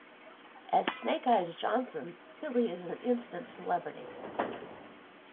As Snake Eyes Johnson, Billy is an instant celebrity.